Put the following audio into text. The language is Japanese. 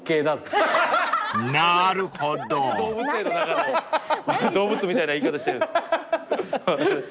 動物園の中の動物みたいな言い方してるんですか。